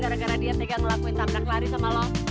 gara gara dia tegang lakuin tabrak lari sama lo